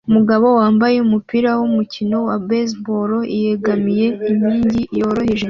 Umugabo wambaye umupira wumukino wa baseball yegamiye inkingi yoroheje